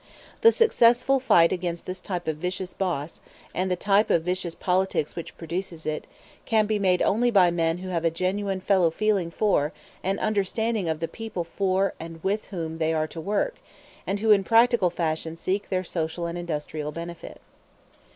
The successful fight against this type of vicious boss, and the type of vicious politics which produces it, can be made only by men who have a genuine fellow feeling for and understanding of the people for and with whom they are to work, and who in practical fashion seek their social and industrial benefit.